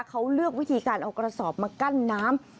เขาเลือกวิธีการเอากระสอบมากั้นน้ำ